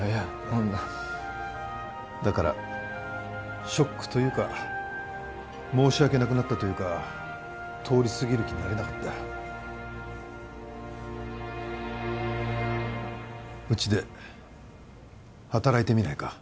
そんなだからショックというか申し訳なくなったというか通り過ぎる気になれなかったうちで働いてみないか？